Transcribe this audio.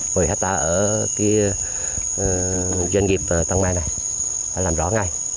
mười hết ta ở dân nghiệp tầng mai này làm rõ ngay